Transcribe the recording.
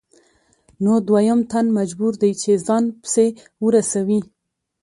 نو دویم تن مجبور دی چې ځان پسې ورسوي